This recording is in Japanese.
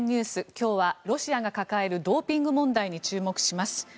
今日はロシアが抱えるドーピング問題に注目します。